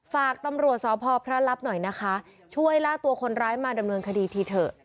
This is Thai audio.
ฝากตำรวจสพพระรับหน่อยนะคะช่วยล่าตัวคนร้ายมาดำเนินคดีทีเถอะ